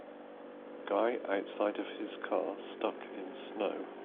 Guy outside of his car stuck in snow.